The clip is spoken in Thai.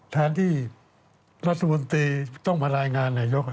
แทนที่รัฐบาลียนตรีต้องมารักษ์